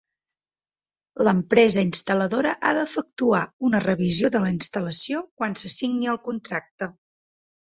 L'empresa instal·ladora ha d'efectuar una revisió de la instal·lació quan se signi el contracte.